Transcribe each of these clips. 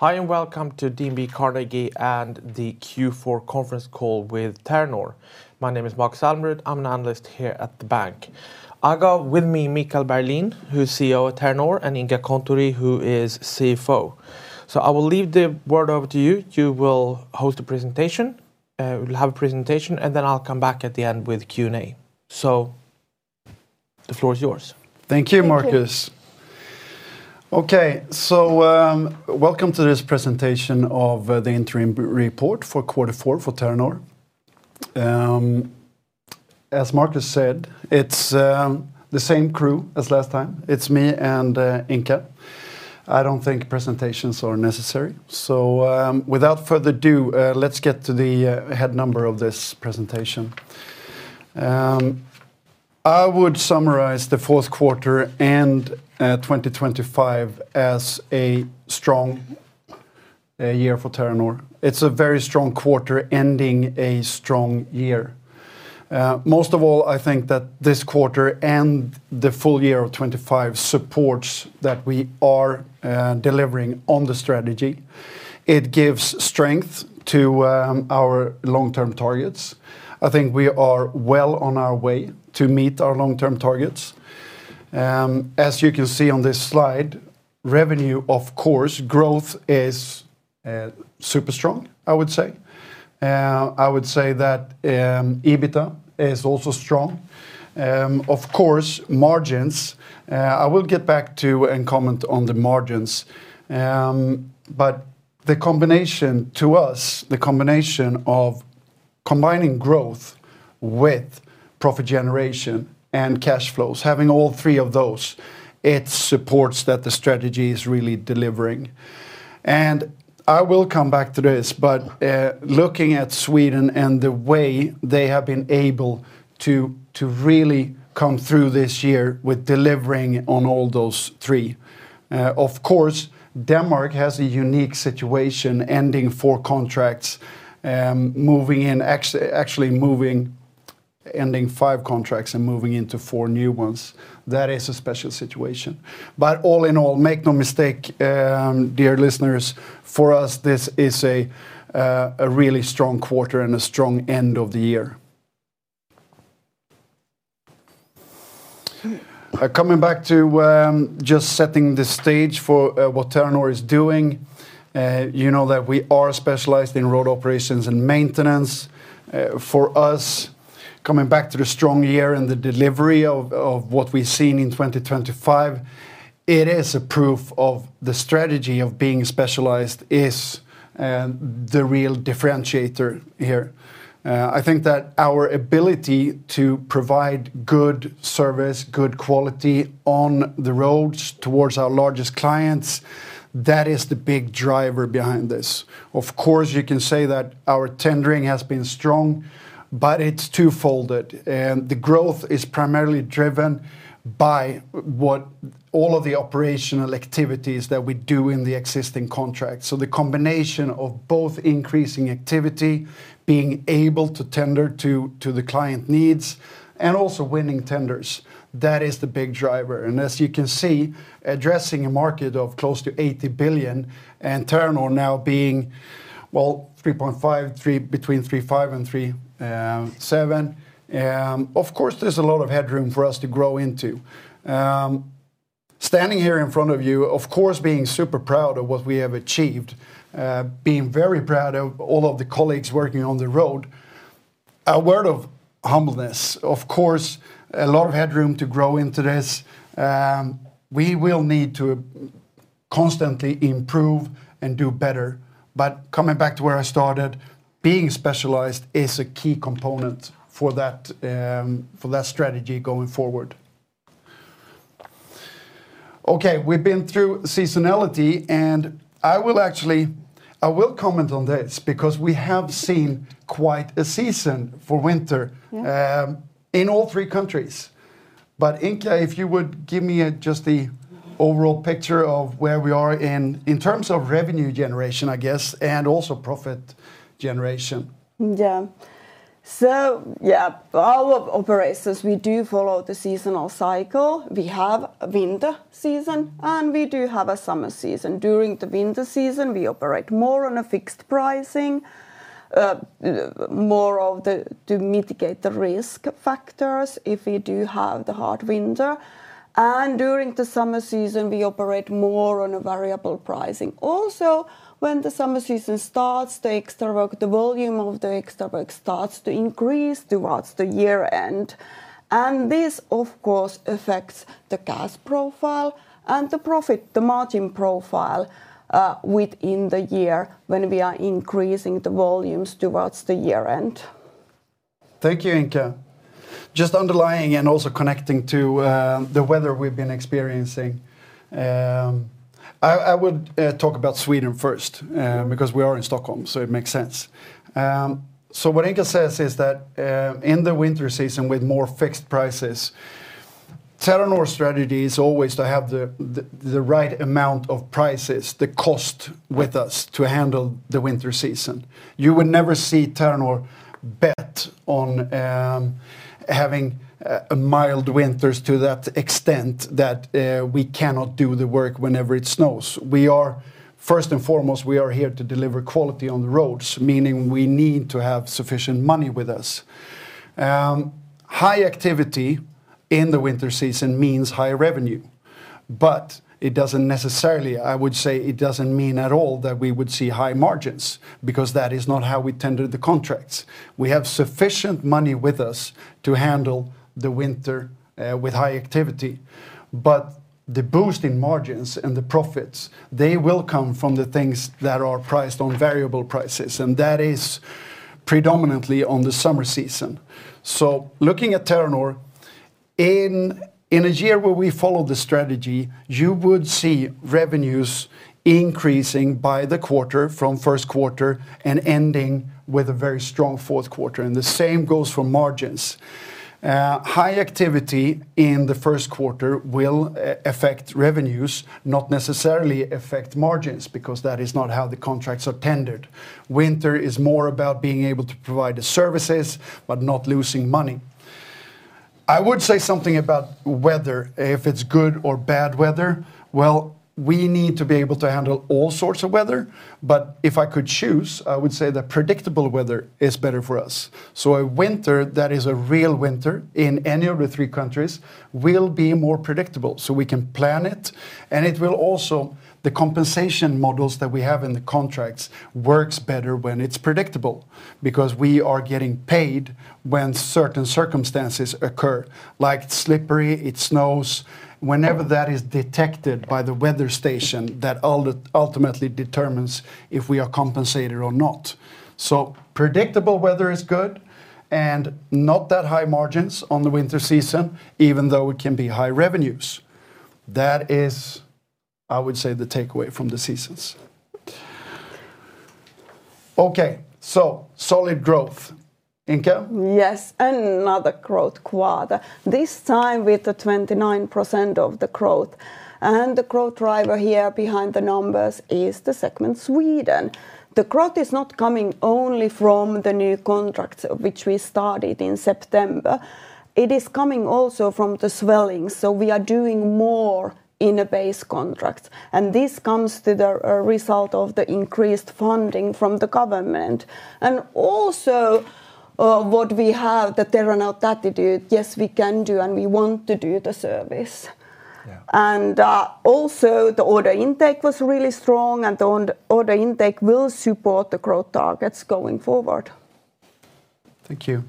Hi, and welcome to DNB Carnegie and the Q4 conference call with Terranor. My name is Marcus Almerud. I'm an here at the bank. I got with me Mikael Berglin, who's CEO at Terranor, and Inka Kontturi, who is CFO. So I will leave the word over to you. You will host the presentation. We'll have a presentation, and then I'll come back at the end with Q&A. So the floor is yours. Thank you, Marcus. Thank you. Okay, welcome to this presentation of the interim report for quarter four for Terranor. As Marcus said, it's the same crew as last time. It's me and Inka. I don't think presentations are necessary, so without further ado, let's get to the head number of this presentation. I would summarize the fourth quarter and 2025 as a strong year for Terranor. It's a very strong quarter, ending a strong year. Most of all, I think that this quarter and the full year of 2025 supports that we are delivering on the strategy. It gives strength to our long-term targets. I think we are well on our way to meet our long-term targets. As you can see on this slide, revenue, of course, growth is super strong, I would say. I would say that EBITDA is also strong. Of course, margins... I will get back to and comment on the margins. But the combination to us, the combination of combining growth with profit generation and cash flows, having all three of those, it supports that the strategy is really delivering. And I will come back to this, but looking at Sweden and the way they have been able to really come through this year with delivering on all those three. Of course, Denmark has a unique situation, ending four contracts, moving in actually, actually moving - ending five contracts and moving into four new ones. That is a special situation. But all in all, make no mistake, dear listeners, for us, this is a really strong quarter and a strong end of the year. Coming back to, just setting the stage for, what Terranor is doing, you know that we are specialized in road operations and maintenance. For us, coming back to the strong year and the delivery of what we've seen in 2025, it is a proof of the strategy of being specialized is the real differentiator here. I think that our ability to provide good service, good quality on the roads towards our largest clients, that is the big driver behind this. Of course, you can say that our tendering has been strong, but it's twofold, and the growth is primarily driven by what all of the operational activities that we do in the existing contract. So the combination of both increasing activity, being able to tender to the client needs, and also winning tenders, that is the big driver. As you can see, addressing a market of close to 80 billion, and Terranor now being, well, 3.5-3.7. Of course, there's a lot of headroom for us to grow into. Standing here in front of you, of course, being super proud of what we have achieved, being very proud of all of the colleagues working on the road, a word of humbleness. Of course, a lot of headroom to grow into this. We will need to constantly improve and do better. But coming back to where I started, being specialized is a key component for that, for that strategy going forward. Okay, we've been through seasonality, and I will actually... I will comment on this because we have seen quite a season for winter- Mm-hmm... in all three countries. But, Inka, if you would give me just the overall picture of where we are in terms of revenue generation, I guess, and also profit generation. Yeah. So yeah, all of operations, we do follow the seasonal cycle. We have a winter season, and we do have a summer season. During the winter season, we operate more on a fixed pricing, more of the to mitigate the risk factors if we do have the hard winter, and during the summer season, we operate more on a variable pricing. Also, when the summer season starts, the extra work, the volume of the extra work starts to increase towards the year end, and this, of course, affects the cash profile and the profit, the margin profile, within the year when we are increasing the volumes towards the year end. Thank you, Inka. Just underlying and also connecting to the weather we've been experiencing, I would talk about Sweden first, because we are in Stockholm, so it makes sense. So what Inka says is that, in the winter season, with more fixed prices, Terranor's strategy is always to have the right amount of prices, the cost with us to handle the winter season. You will never see Terranor bet on having a mild winters to that extent that we cannot do the work whenever it snows. We are, first and foremost, here to deliver quality on the roads, meaning we need to have sufficient money with us. High activity in the winter season means higher revenue, but it doesn't necessarily, I would say it doesn't mean at all that we would see high margins, because that is not how we tender the contracts. We have sufficient money with us to handle the winter with high activity, but the boost in margins and the profits, they will come from the things that are priced on variable prices, and that is predominantly on the summer season. So looking at Terranor, in a year where we follow the strategy, you would see revenues increasing by the quarter from first quarter, and ending with a very strong fourth quarter, and the same goes for margins. High activity in the first quarter will affect revenues, not necessarily affect margins, because that is not how the contracts are tendered. Winter is more about being able to provide the services, but not losing money. I would say something about weather, if it's good or bad weather. Well, we need to be able to handle all sorts of weather, but if I could choose, I would say that predictable weather is better for us. So a winter that is a real winter in any of the three countries will be more predictable, so we can plan it, and it will also... The compensation models that we have in the contracts works better when it's predictable, because we are getting paid when certain circumstances occur, like slippery, it snows. Whenever that is detected by the weather station, that ultimately determines if we are compensated or not. So predictable weather is good, and not that high margins on the winter season, even though it can be high revenues. That is, I would say, the takeaway from the seasons. Okay, so solid growth. Inka? Yes, another growth quarter, this time with the 29% of the growth, and the growth driver here behind the numbers is the segment Sweden. The growth is not coming only from the new contracts which we started in September. It is coming also from the swelling, so we are doing more in the base contracts, and this comes to the result of the increased funding from the government. And also, what we have, the Terranor attitude, yes, we can do, and we want to do the service. Yeah. Also, the order intake was really strong, and the order intake will support the growth targets going forward. Thank you.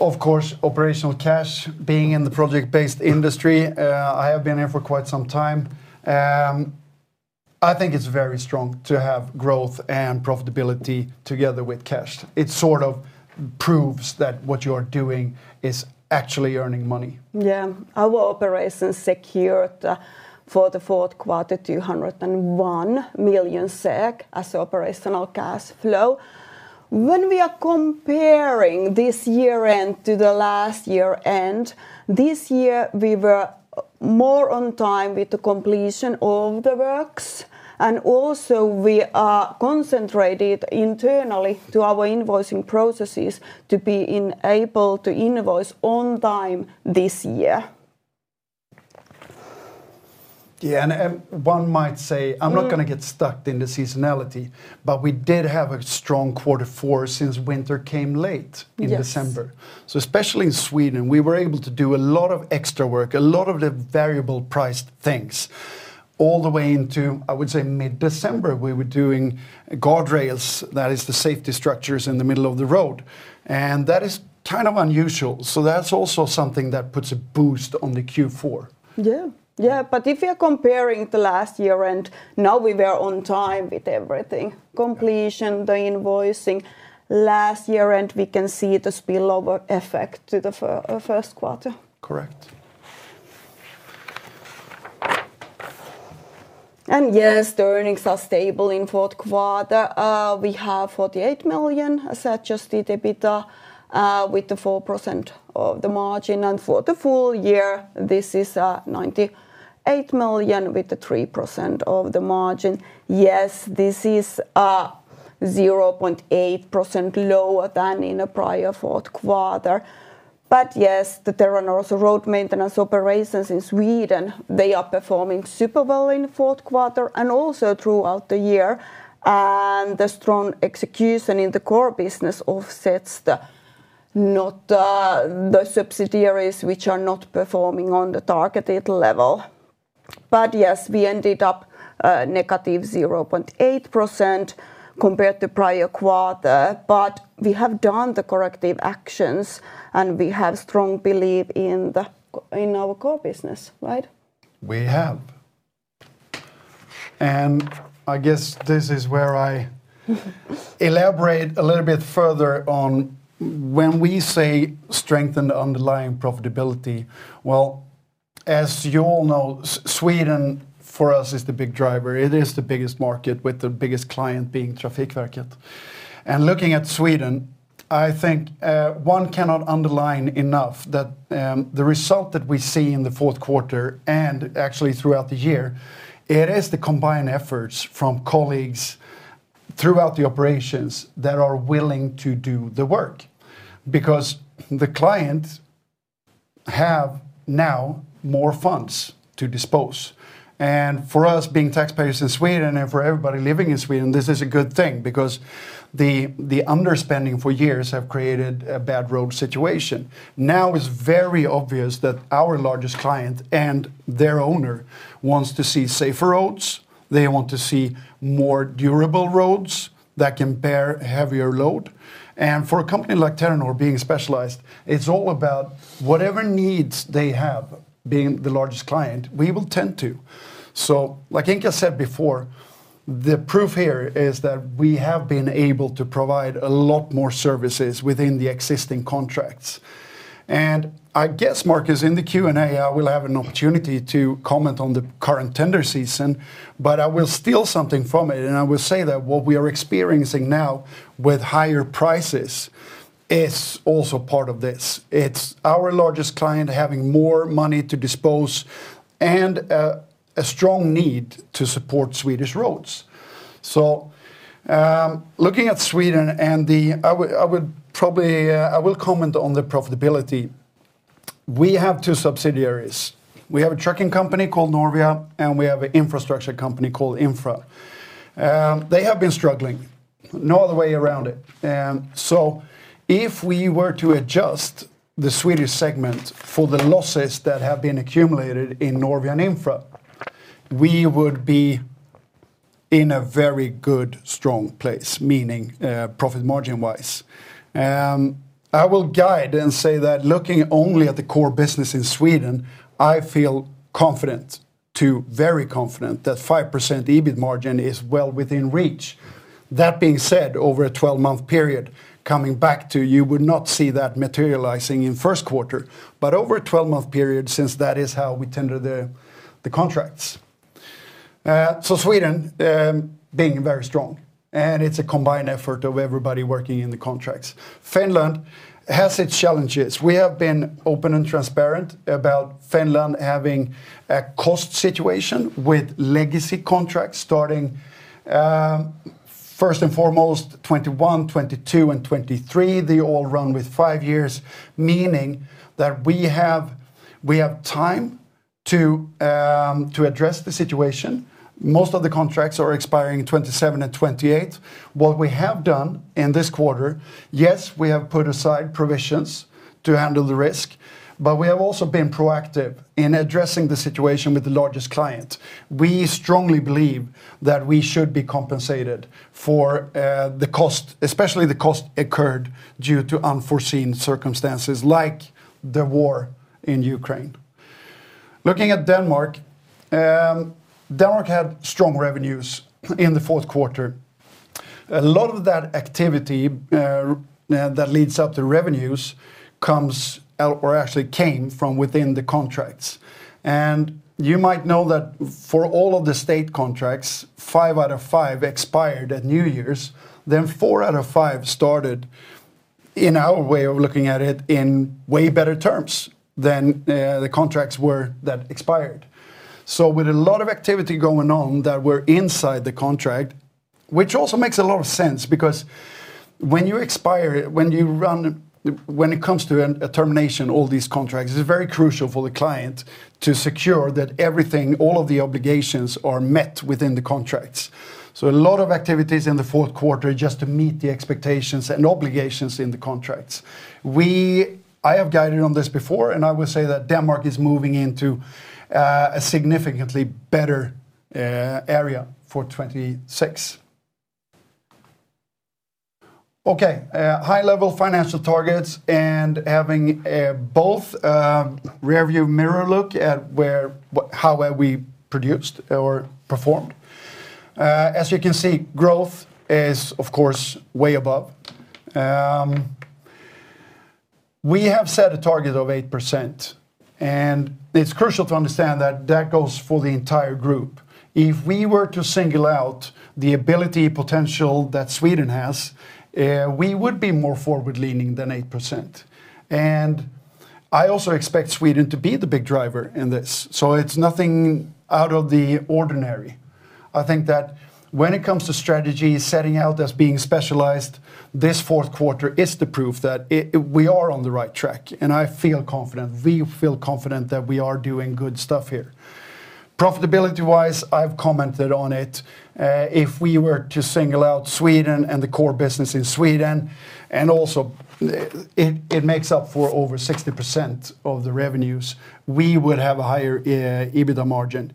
Of course, operational cash, being in the project-based industry, I have been here for quite some time, I think it's very strong to have growth and profitability together with cash. It sort of proves that what you are doing is actually earning money. Yeah. Our operations secured for the fourth quarter 201 million SEK as operational cash flow. When we are comparing this year end to the last year end, this year we were more on time with the completion of the works, and also we are concentrated internally to our invoicing processes to be able to invoice on time this year. Yeah, and one might say- Mm... I'm not gonna get stuck in the seasonality, but we did have a strong quarter four, since winter came late- Yes... in December. So especially in Sweden, we were able to do a lot of extra work, a lot of the variable priced things. All the way into, I would say, mid-December, we were doing guardrails, that is the safety structures in the middle of the road, and that is kind of unusual. So that's also something that puts a boost on the Q4. Yeah. Yeah, but if you're comparing the last year end, now we were on time with everything: completion, the invoicing. Last year end, we can see the spillover effect to the first quarter. Correct. Yes, the earnings are stable in the fourth quarter. We have 48 million adjusted EBITDA, with the 4% margin, and for the full year, this is 98 million, with the 3% margin. Yes, this is 0.8% lower than in the prior fourth quarter. Yes, the Terranor road maintenance operations in Sweden, they are performing super well in the fourth quarter, and also throughout the year, and the strong execution in the core business offsets the subsidiaries which are not performing on the targeted level. Yes, we ended up negative 0.8% compared to the prior quarter, but we have done the corrective actions, and we have strong belief in our core business, right? We have. And I guess this is where I elaborate a little bit further on when we say strengthen the underlying profitability. Well, as you all know, Sweden, for us, is the big driver. It is the biggest market, with the biggest client being Trafikverket. And looking at Sweden, I think one cannot underline enough that the result that we see in the fourth quarter, and actually throughout the year, it is the combined efforts from colleagues throughout the operations that are willing to do the work. Because the clients have now more funds to dispose, and for us, being taxpayers in Sweden, and for everybody living in Sweden, this is a good thing, because the underspending for years have created a bad road situation. Now, it's very obvious that our largest client, and their owner, wants to see safer roads. They want to see more durable roads that can bear a heavier load, and for a company like Terranor, being specialized, it's all about whatever needs they have, being the largest client, we will tend to. So like Inka said before, the proof here is that we have been able to provide a lot more services within the existing contracts. And I guess, Marcus, in the Q&A, I will have an opportunity to comment on the current tender season, but I will steal something from it, and I will say that what we are experiencing now with higher prices is also part of this. It's our largest client having more money to dispose and a strong need to support Swedish roads. So, looking at Sweden, I will comment on the profitability. We have two subsidiaries. We have a trucking company called Norrvia, and we have an infrastructure company called Infra. They have been struggling, no other way around it. So if we were to adjust the Swedish segment for the losses that have been accumulated in Norrvia and Infra, we would be in a very good, strong place, meaning profit margin-wise. I will guide and say that looking only at the core business in Sweden, I feel confident to very confident that 5% EBIT margin is well within reach. That being said, over a 12-month period, coming back to you would not see that materializing in first quarter, but over a 12-month period, since that is how we tender the, the contracts. So Sweden, being very strong, and it's a combined effort of everybody working in the contracts. Finland has its challenges. We have been open and transparent about Finland having a cost situation with legacy contracts starting, first and foremost, 2021, 2022, and 2023. They all run with five years, meaning that we have, we have time to, to address the situation. Most of the contracts are expiring in 2027 and 2028. What we have done in this quarter, yes, we have put aside provisions to handle the risk, but we have also been proactive in addressing the situation with the largest client. We strongly believe that we should be compensated for the cost, especially the cost occurred due to unforeseen circumstances, like the war in Ukraine. Looking at Denmark, Denmark had strong revenues in the fourth quarter. A lot of that activity that leads up to revenues comes out, or actually came from within the contracts. You might know that for all of the state contracts, five out of five expired at New Year's, then four out of five started, in our way of looking at it, in way better terms than the contracts were that expired. With a lot of activity going on that were inside the contract, which also makes a lot of sense, because when you expire, when you run-- when it comes to a termination, all these contracts, it's very crucial for the client to secure that everything, all of the obligations, are met within the contracts. A lot of activities in the fourth quarter just to meet the expectations and obligations in the contracts. I have guided on this before, and I will say that Denmark is moving into a significantly better area for 2026. Okay, high-level financial targets and having both rearview mirror look at where, what, how well we produced or performed. As you can see, growth is, of course, way above. We have set a target of 8%, and it's crucial to understand that that goes for the entire group. If we were to single out the ability potential that Sweden has, we would be more forward-leaning than 8%. And I also expect Sweden to be the big driver in this, so it's nothing out of the ordinary. I think that when it comes to strategy, setting out as being specialized, this fourth quarter is the proof that it, we are on the right track, and I feel confident, we feel confident, that we are doing good stuff here. Profitability-wise, I've commented on it. If we were to single out Sweden and the core business in Sweden, and also, it makes up over 60% of the revenues, we would have a higher EBITDA margin.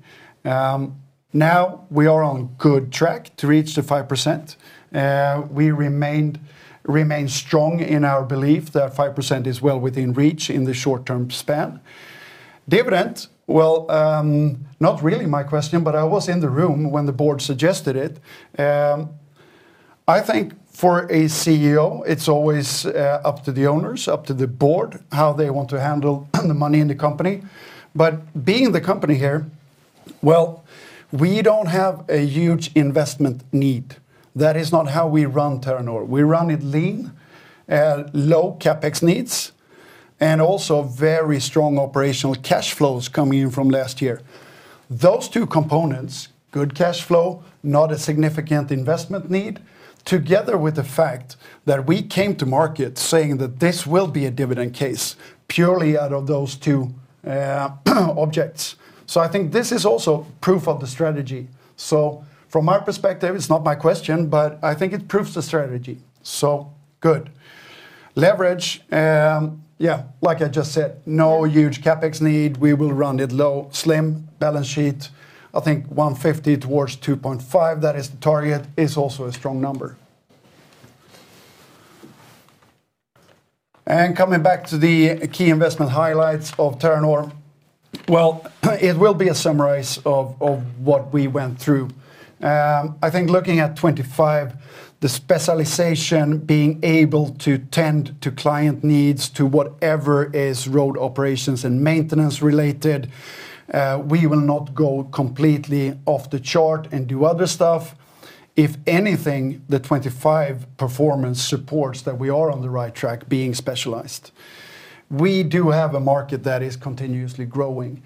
Now we are on good track to reach the 5%. We remain strong in our belief that 5% is well within reach in the short-term span. Dividend, well, not really my question, but I was in the room when the board suggested it. I think for a CEO, it's always up to the owners, up to the board, how they want to handle the money in the company. But being the company here... Well, we don't have a huge investment need. That is not how we run Terranor. We run it lean, low CapEx needs, and also very strong operational cash flows coming in from last year. Those two components, good cash flow, not a significant investment need, together with the fact that we came to market saying that this will be a dividend case, purely out of those two objects. I think this is also proof of the strategy. From my perspective, it's not my question, but I think it proves the strategy. Good. Leverage, yeah, like I just said, no huge CapEx need. We will run it low, slim balance sheet. I think 150 towards 2.5, that is the target, is also a strong number. Coming back to the key investment highlights of Terranor, well, it will be a summarize of what we went through. I think looking at 25, the specialization, being able to tend to client needs, to whatever is road operations and maintenance related, we will not go completely off the chart and do other stuff. If anything, the 25 performance supports that we are on the right track being specialized. We do have a market that is continuously growing.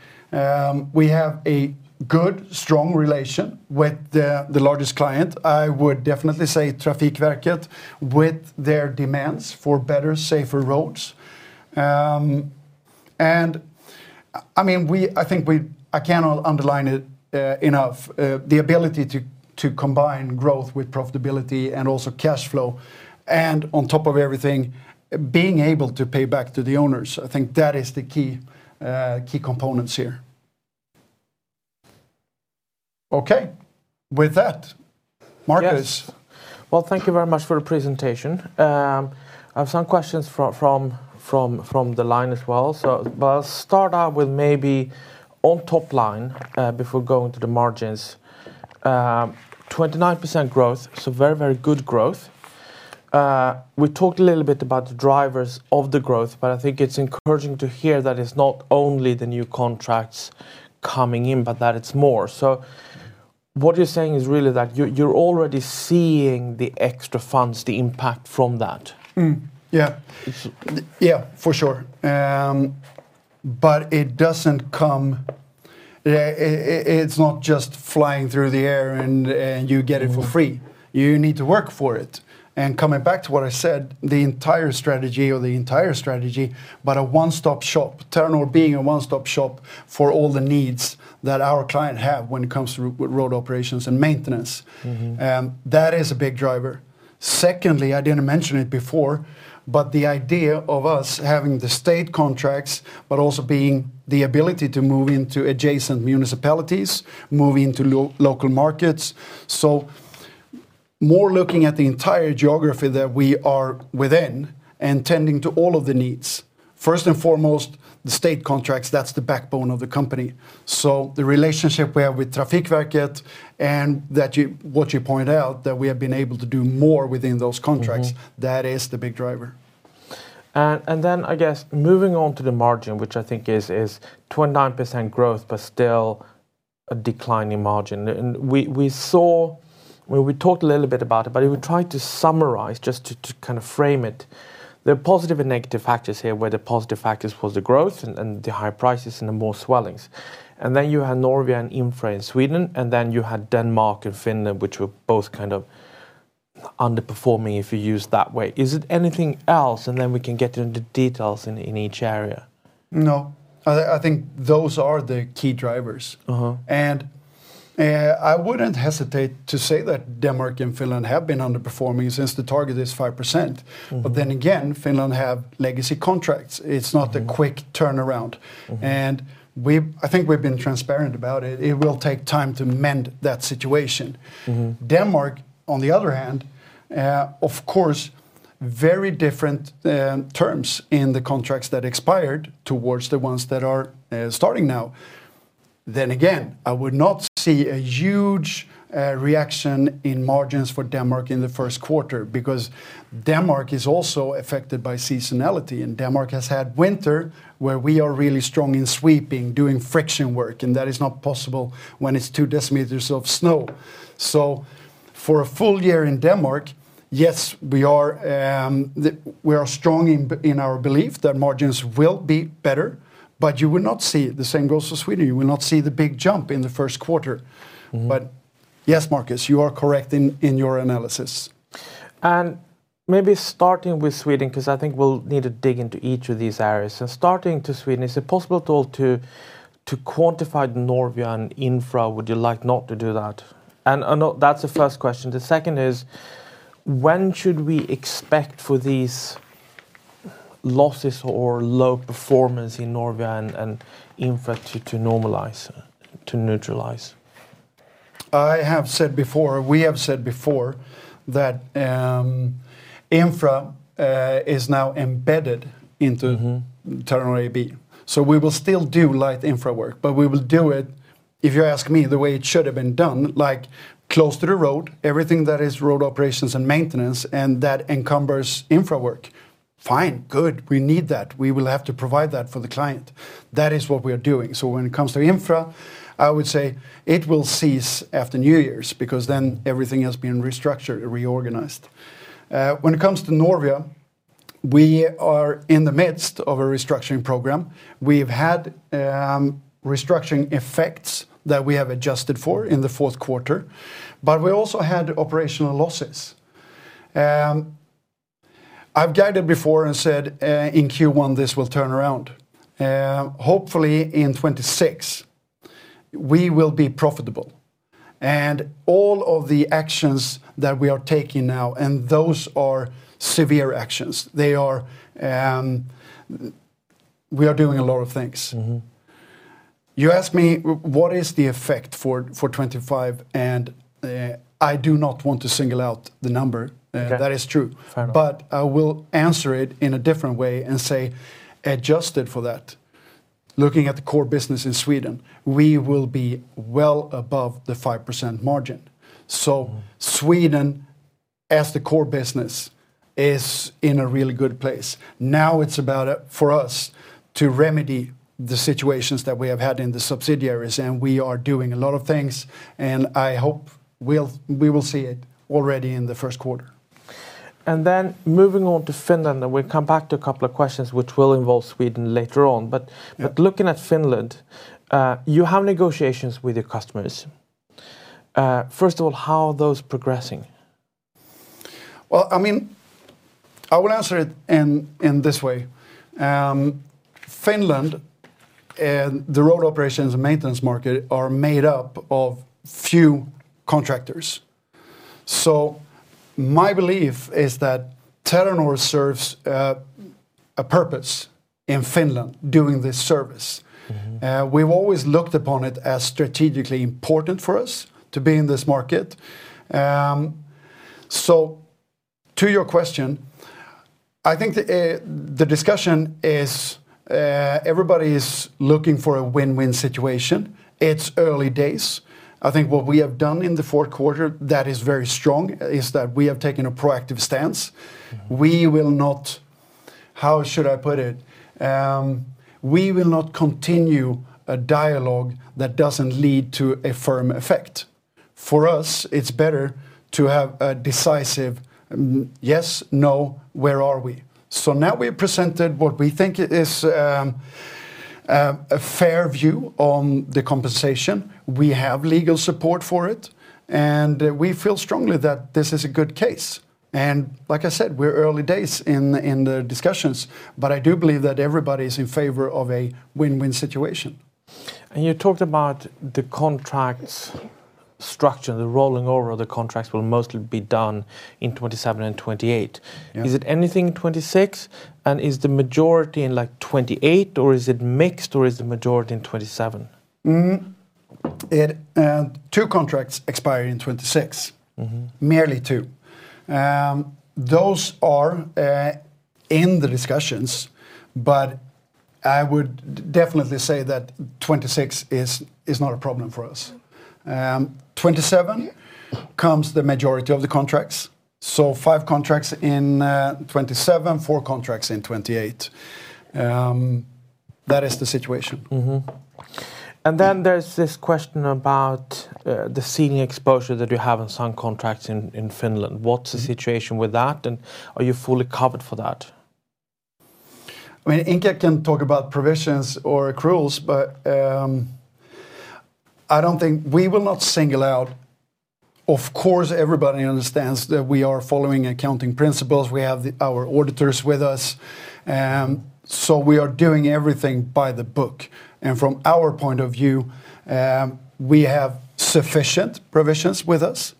We have a good, strong relation with the, the largest client. I would definitely say Trafikverket, with their demands for better, safer roads. And, I mean, I think I cannot underline it enough, the ability to, to combine growth with profitability and also cash flow, and on top of everything, being able to pay back to the owners. I think that is the key, key components here. Okay, with that, Marcus? Yes. Well, thank you very much for the presentation. I have some questions from the line as well. But I'll start out with maybe the top line, before going to the margins. 29% growth, so very, very good growth. We talked a little bit about the drivers of the growth, but I think it's encouraging to hear that it's not only the new contracts coming in, but that it's more. So what you're saying is really that you're already seeing the extra funds, the impact from that? Mm. Yeah. S- Yeah, for sure. But it doesn't come... it's not just flying through the air, and, and you get it for free. You need to work for it. And coming back to what I said, the entire strategy, or the entire strategy, but a one-stop shop, Terranor being a one-stop shop for all the needs that our client have when it comes to with road operations and maintenance. Mm-hmm. That is a big driver. Secondly, I didn't mention it before, but the idea of us having the state contracts, but also being the ability to move into adjacent municipalities, move into local markets, so more looking at the entire geography that we are within and tending to all of the needs. First and foremost, the state contracts, that's the backbone of the company. So the relationship we have with Trafikverket, and that you, what you point out, that we have been able to do more within those contracts- Mm-hmm. -that is the big driver. Then I guess moving on to the margin, which I think is 29% growth, but still a decline in margin. We saw... Well, we talked a little bit about it, but if you try to summarize, just to kind of frame it, the positive and negative factors here, where the positive factors was the growth and the high prices and the more swellings. Then you had Norvia and Infra in Sweden, and then you had Denmark and Finland, which were both kind of underperforming, if you use that way. Is it anything else? And then we can get into details in each area. No. I think those are the key drivers. Uh-huh. I wouldn't hesitate to say that Denmark and Finland have been underperforming since the target is 5%. Mm. But then again, Finland have legacy contracts. Mm. It's not a quick turnaround. Mm-hmm. And I think we've been transparent about it. It will take time to mend that situation. Mm-hmm. Denmark, on the other hand, of course, very different terms in the contracts that expired towards the ones that are starting now. Then again, I would not see a huge reaction in margins for Denmark in the first quarter, because Denmark is also affected by seasonality, and Denmark has had winter, where we are really strong in sweeping, doing friction work, and that is not possible when it's two decimeters of snow. So for a full year in Denmark, yes, we are strong in our belief that margins will be better, but you will not see the same growth as Sweden. You will not see the big jump in the first quarter. Mm. But yes, Marcus, you are correct in your analysis. And maybe starting with Sweden, because I think we'll need to dig into each of these areas. So starting to Sweden, is it possible at all to, to quantify Norvia and Infra? Would you like not to do that? That's the first question. The second is, when should we expect for these losses or low performance in Norvia and, and Infra to, to normalize, to neutralize? I have said before, we have said before, that, Infra, is now embedded into- Mm-hmm... Terranor AB. So we will still do light infra work, but we will do it, if you ask me, the way it should have been done, like, close to the road, everything that is road operations and maintenance, and that encumbers infra work.... Fine, good. We need that. We will have to provide that for the client. That is what we are doing. So when it comes to Infra, I would say it will cease after New Year's, because then everything has been restructured and reorganized. When it comes to Norvia, we are in the midst of a restructuring program. We've had restructuring effects that we have adjusted for in the fourth quarter, but we also had operational losses. I've guided before and said, in Q1, this will turn around. Hopefully in 2026, we will be profitable, and all of the actions that we are taking now, and those are severe actions. They are. We are doing a lot of things. Mm-hmm. You asked me what is the effect for, for 2025, and I do not want to single out the number. Okay. That is true. Fair enough. But I will answer it in a different way and say, adjusted for that, looking at the core business in Sweden, we will be well above the 5% margin. Mm. Sweden, as the core business, is in a really good place. Now, it's about for us to remedy the situations that we have had in the subsidiaries, and we are doing a lot of things, and I hope we will see it already in the first quarter. And then moving on to Finland, and we'll come back to a couple of questions which will involve Sweden later on. Yeah. But looking at Finland, you have negotiations with your customers. First of all, how are those progressing? Well, I mean, I will answer it in this way. Finland, and the road operations and maintenance market, are made up of few contractors. So my belief is that Terranor serves a purpose in Finland doing this service. Mm-hmm. We've always looked upon it as strategically important for us to be in this market. So to your question, I think the discussion is everybody is looking for a win-win situation. It's early days. I think what we have done in the fourth quarter that is very strong, is that we have taken a proactive stance. Mm. How should I put it? We will not continue a dialogue that doesn't lead to a firm effect. For us, it's better to have a decisive yes, no, where are we? So now we have presented what we think is a fair view on the compensation. We have legal support for it, and we feel strongly that this is a good case, and like I said, we're in early days in the discussions, but I do believe that everybody's in favor of a win-win situation. You talked about the contracts structure, the rolling over of the contracts will mostly be done in 2027 and 2028. Yeah. Is it anything in 2026, and is the majority in, like, 2028, or is it mixed, or is the majority in 2027? Two contracts expire in 2026. Mm-hmm. Merely two. Those are in the discussions, but I would definitely say that 2026 is not a problem for us. 2027- Yeah... comes the majority of the contracts, so five contracts in 2027, four contracts in 2028. That is the situation. Mm-hmm. And then there's this question about the ceiling exposure that you have in some contracts in Finland. Mm. What's the situation with that, and are you fully covered for that? I mean, Inka can talk about provisions or accruals, but, I don't think... We will not single out. Of course, everybody understands that we are following accounting principles. We have our auditors with us, so we are doing everything by the book. And from our point of view, we have sufficient provisions with us.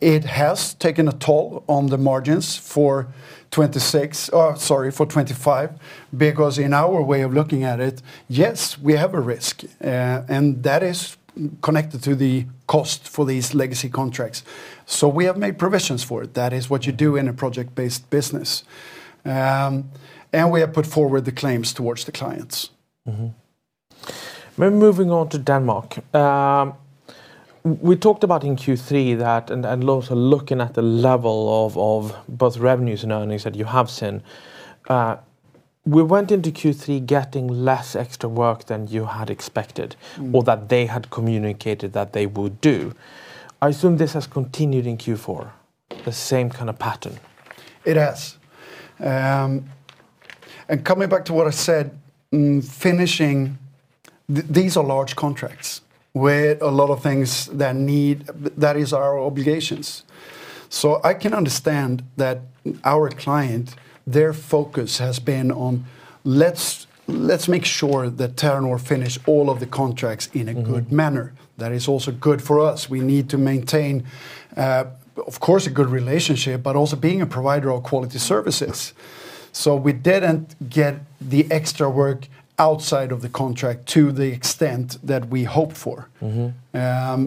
It has taken a toll on the margins for 2026, sorry, for 2025, because in our way of looking at it, yes, we have a risk, and that is connected to the cost for these legacy contracts. So we have made provisions for it. That is what you do in a project-based business. And we have put forward the claims towards the clients. Mm-hmm. Then moving on to Denmark. We talked about in Q3 that, also looking at the level of both revenues and earnings that you have seen, we went into Q3 getting less extra work than you had expected- Mm... or that they had communicated that they would do. I assume this has continued in Q4, the same kind of pattern? It has. And coming back to what I said in finishing, these are large contracts with a lot of things that need... that is our obligations. So I can understand that our client, their focus has been on, "Let's, let's make sure that Terranor finish all of the contracts in a good manner. Mm-hmm. That is also good for us. We need to maintain, of course, a good relationship, but also being a provider of quality services. So we didn't get the extra work outside of the contract to the extent that we hoped for. Mm-hmm.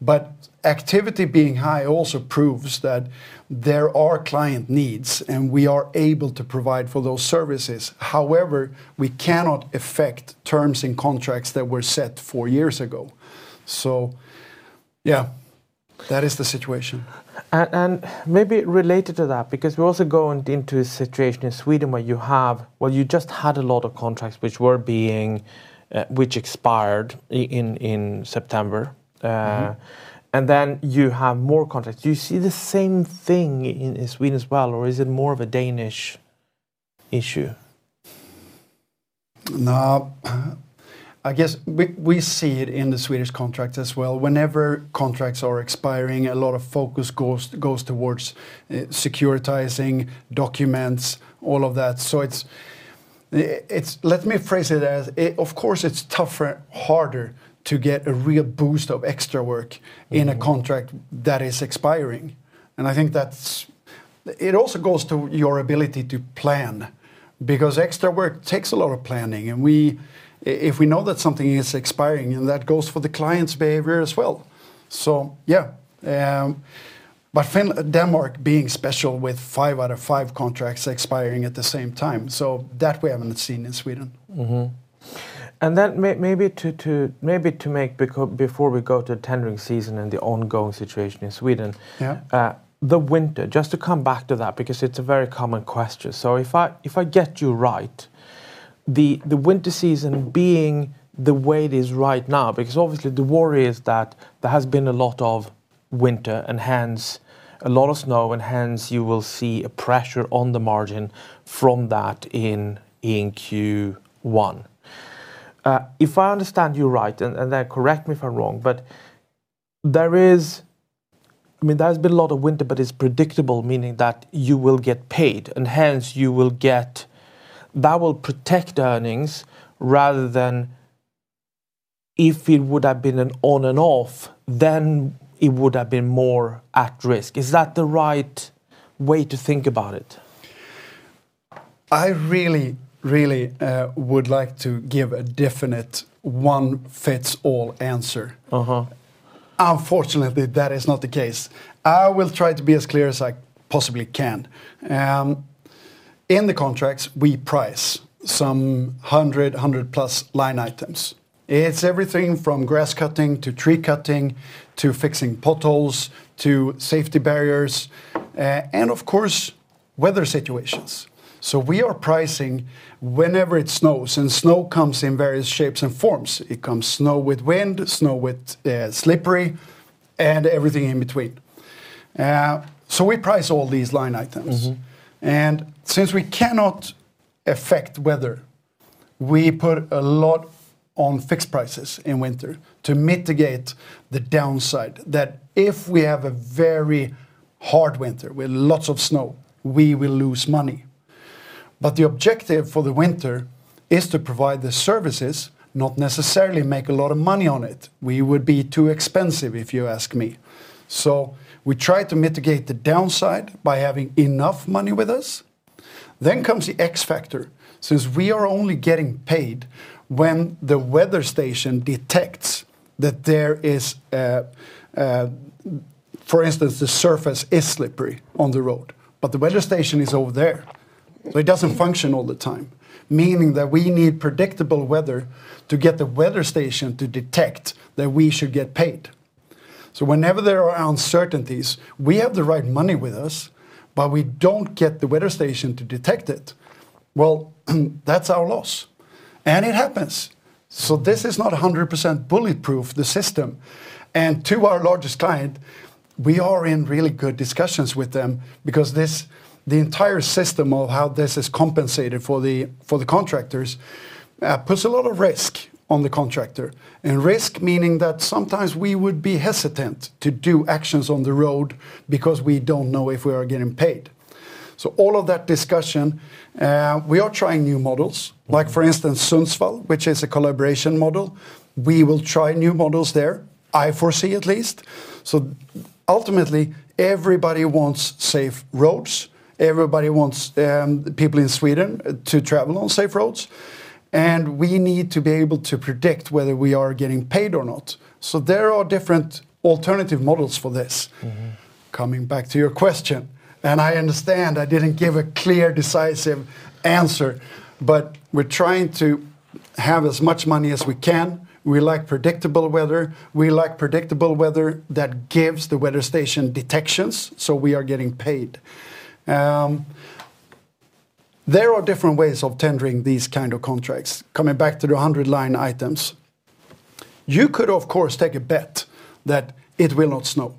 But activity being high also proves that there are client needs, and we are able to provide for those services. However, we cannot affect terms and contracts that were set four years ago. So, yeah.... That is the situation. And maybe related to that, because we're also going into a situation in Sweden where you have, well, you just had a lot of contracts, which were being, which expired in September. Mm-hmm. Then you have more contracts. Do you see the same thing in Sweden as well, or is it more of a Danish issue? No, I guess we see it in the Swedish contracts as well. Whenever contracts are expiring, a lot of focus goes towards securitizing documents, all of that. So it's, let me phrase it as, of course, it's tougher, harder to get a real boost of extra work- Mm. in a contract that is expiring, and I think that's... It also goes to your ability to plan, because extra work takes a lot of planning, and we if we know that something is expiring, and that goes for the client's behavior as well. So yeah, but in Denmark being special with five out of five contracts expiring at the same time, so that we haven't seen in Sweden. Mm-hmm. And then maybe to make before we go to tendering season and the ongoing situation in Sweden- Yeah.... the winter, just to come back to that, because it's a very common question. So if I get you right, the winter season being the way it is right now, because obviously the worry is that there has been a lot of winter, and hence a lot of snow, and hence you will see a pressure on the margin from that in Q1. If I understand you right, and then correct me if I'm wrong, but there is—I mean, there has been a lot of winter, but it's predictable, meaning that you will get paid, and hence you will get that will protect earnings rather than if it would have been an on and off, then it would have been more at risk. Is that the right way to think about it? I really, really, would like to give a definite one-size-fits-all answer. Uh-huh. Unfortunately, that is not the case. I will try to be as clear as I possibly can. In the contracts, we price some 100, 100+ line items. It's everything from grass cutting to tree cutting, to fixing potholes, to safety barriers, and of course, weather situations. So we are pricing whenever it snows, and snow comes in various shapes and forms. It comes snow with wind, snow with slippery, and everything in between. So we price all these line items. Mm-hmm. Since we cannot affect weather, we put a lot on fixed prices in winter to mitigate the downside, that if we have a very hard winter with lots of snow, we will lose money. But the objective for the winter is to provide the services, not necessarily make a lot of money on it. We would be too expensive, if you ask me. So we try to mitigate the downside by having enough money with us. Then comes the X factor. Since we are only getting paid when the weather station detects that there is, for instance, the surface is slippery on the road, but the weather station is over there, so it doesn't function all the time, meaning that we need predictable weather to get the weather station to detect that we should get paid. So whenever there are uncertainties, we have the right money with us, but we don't get the weather station to detect it. Well, that's our loss, and it happens. So this is not a 100% bulletproof, the system. And to our largest client, we are in really good discussions with them because this, the entire system of how this is compensated for the, for the contractors, puts a lot of risk on the contractor. And risk, meaning that sometimes we would be hesitant to do actions on the road because we don't know if we are getting paid. So all of that discussion, we are trying new models, like for instance, Sundsvall, which is a collaboration model. We will try new models there, I foresee at least. So ultimately, everybody wants safe roads, everybody wants, people in Sweden to travel on safe roads, and we need to be able to predict whether we are getting paid or not. So there are different alternative models for this. Mm-hmm. Coming back to your question, and I understand I didn't give a clear, decisive answer, but we're trying to have as much money as we can. We like predictable weather. We like predictable weather that gives the weather station detections, so we are getting paid. There are different ways of tendering these kind of contracts. Coming back to the 100 line items, you could, of course, take a bet that it will not snow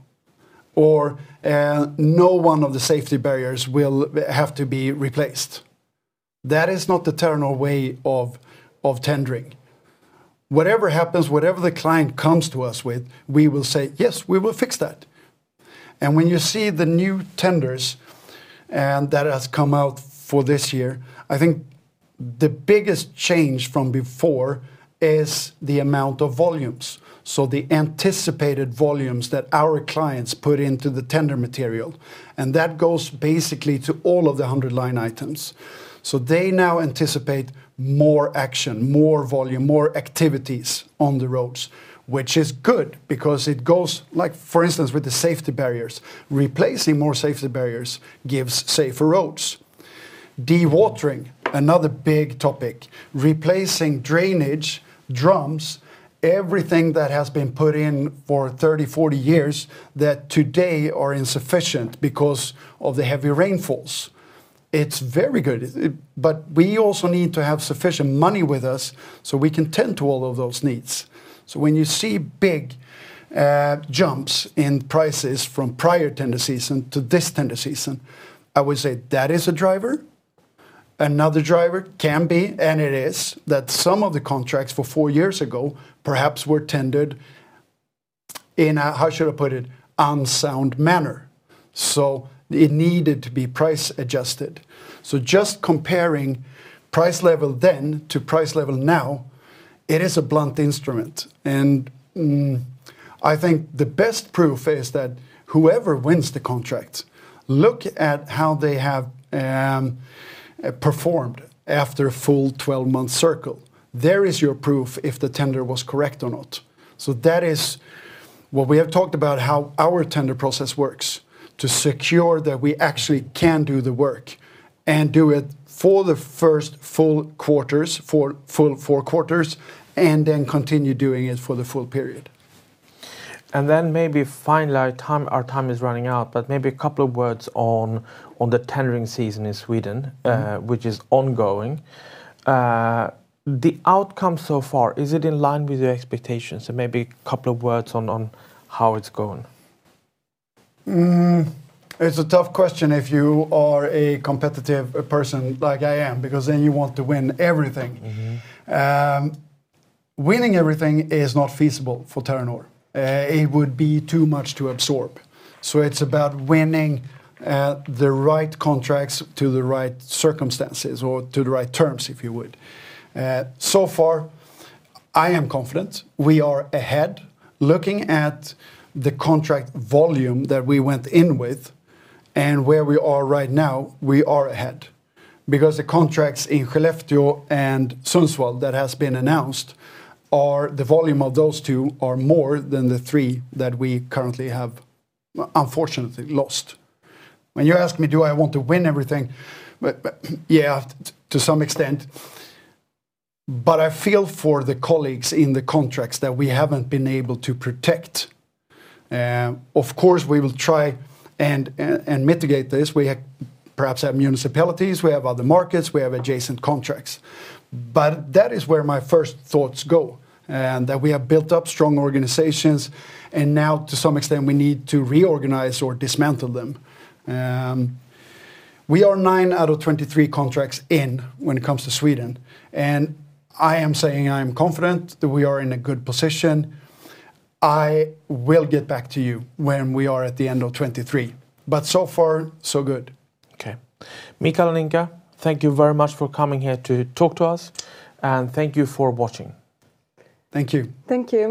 or, no one of the safety barriers will, have to be replaced. That is not the Terranor way of tendering. Whatever happens, whatever the client comes to us with, we will say, "Yes, we will fix that." When you see the new tenders, and that has come out for this year, I think the biggest change from before is the amount of volumes, so the anticipated volumes that our clients put into the tender material, and that goes basically to all of the 100 line items. So they now anticipate more action, more volume, more activities on the roads, which is good because it goes like for instance, with the safety barriers, replacing more safety barriers gives safer roads. Dewatering, another big topic. Replacing drainage drums, everything that has been put in for 30, 40 years that today are insufficient because of the heavy rainfalls. It's very good, but we also need to have sufficient money with us, so we can tend to all of those needs. So when you see big jumps in prices from prior tender season to this tender season, I would say that is a driver. Another driver can be, and it is, that some of the contracts for four years ago perhaps were tendered in a... How should I put it? Unsound manner, so it needed to be price adjusted. So just comparing price level then to price level now, it is a blunt instrument, and, I think the best proof is that whoever wins the contract, look at how they have performed after a full twelve-month circle. There is your proof if the tender was correct or not. That is what we have talked about, how our tender process works to secure that we actually can do the work, and do it for the first full quarters, for full four quarters, and then continue doing it for the full period. And then maybe finally, our time is running out, but maybe a couple of words on the tendering season in Sweden. Mm... which is ongoing. The outcome so far, is it in line with your expectations? So maybe a couple of words on, on how it's going. Mm, it's a tough question if you are a competitive person like I am, because then you want to win everything. Mm-hmm. Winning everything is not feasible for Terranor. It would be too much to absorb. So it's about winning the right contracts to the right circumstances or to the right terms, if you would. So far, I am confident. We are ahead. Looking at the contract volume that we went in with and where we are right now, we are ahead because the contracts in Skellefteå and Sundsvall that has been announced are, the volume of those two are more than the three that we currently have unfortunately lost. When you ask me do I want to win everything? But, but yeah, to some extent, but I feel for the colleagues in the contracts that we haven't been able to protect. Of course, we will try and, and mitigate this. We have, perhaps, municipalities, we have other markets, we have adjacent contracts. But that is where my first thoughts go, and that we have built up strong organizations, and now to some extent, we need to reorganize or dismantle them. We are nine out of 23 contracts in when it comes to Sweden, and I am saying I am confident that we are in a good position. I will get back to you when we are at the end of 2023, but so far, so good. Okay. Mikael and Inka, thank you very much for coming here to talk to us, and thank you for watching. Thank you. Thank you.